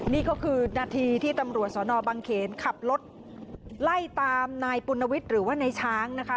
นี่ก็คือนาทีที่ตำรวจสนบังเขนขับรถไล่ตามนายปุณวิทย์หรือว่านายช้างนะคะ